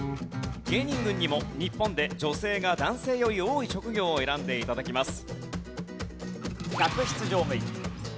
芸人軍にも日本で女性が男性より多い職業を選んで頂きます。